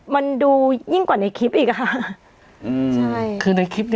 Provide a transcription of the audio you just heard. มันดู